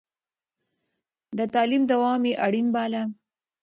د تعليم دوام يې اړين باله.